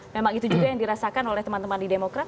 memang itu juga yang dirasakan oleh teman teman di demokrat